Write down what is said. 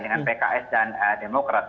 dengan pks dan demokrat